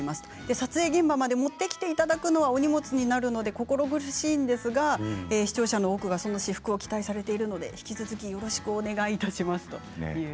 撮影現場まで持ってきていただくのはお荷物になるので心苦しいですが視聴者の多くはその私服を期待されてるので引き続きよろしくお願いいたします。